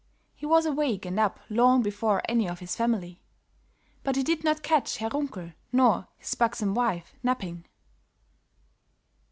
He was awake and up long before any of his family, but he did not catch Herr Runkel nor his buxom wife, napping.